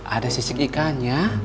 ada sisik ikannya